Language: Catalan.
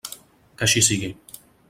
Que així sigui.